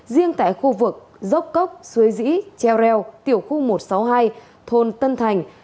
riêng tại khu vực dốc cốc xuế dĩ treo reo tiểu khu một sáu hai thôn tân thành